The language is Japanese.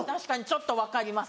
ちょっと分かります。